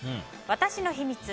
私の秘密。